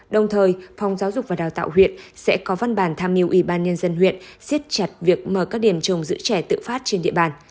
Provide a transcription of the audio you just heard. đồng thời phòng giáo dục và đào tạo huyện sẽ có văn bản tham mưu ủy ban nhân dân huyện siết chặt việc mở các điểm trồng giữ trẻ tự phát trên địa bàn